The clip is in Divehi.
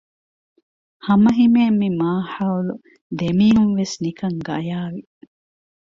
ހަމަހިމޭން މި މާހައުލު ދެމީހުންވެސް ނިކަން ގަޔާވި